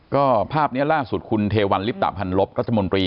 ก็ภาพนี้ล่าสุดคุณเทวันลิปตะพันลบรัฐมนตรี